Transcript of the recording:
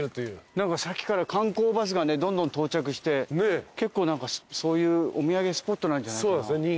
さっきから観光バスがどんどん到着して結構そういうお土産スポットなんじゃないかな？